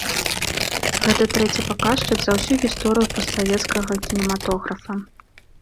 Гэта трэці паказчык за ўсю гісторыю постсавецкага кінематографа.